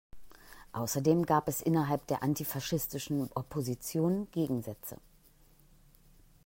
Außerdem gab es innerhalb der antifaschistischen Opposition Gegensätze.